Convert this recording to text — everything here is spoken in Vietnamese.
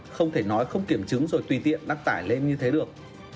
không thể nói không kiểm chứng rồi tùy tiện đăng tải lên như thế được